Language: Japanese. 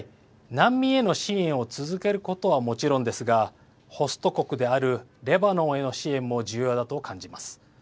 難民への支援を続けることはもちろんですがホスト国であるレバノンへの支援も重要だと感じます。